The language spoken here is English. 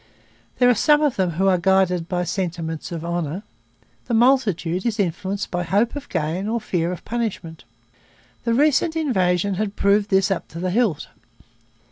There are some of them who are guided by sentiments of honour. The multitude is influenced by hope of gain or fear of punishment.' The recent invasion had proved this up to the hilt.